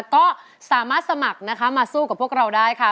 ก็สามารถสมัครนะคะมาสู้กับพวกเราได้ค่ะ